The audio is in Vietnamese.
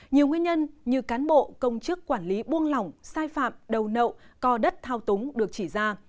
nhiều nguyên nhân như cán bộ công chức quản lý buông lỏng sai phạm đầu nậu co đất thao túng được chỉ ra